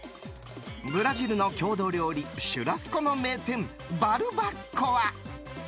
ブラジルの郷土料理シュラスコの名店、バルバッコア。